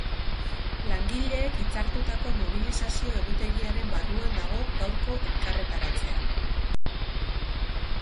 Langileek hitzartutako mobilizazio egutegiaren barruan dago gaurko elkarretaratzea.